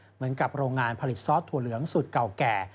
เหมือนกับโรงงานผลิตซอสถั่วเหลืองสูตรเก่าแก่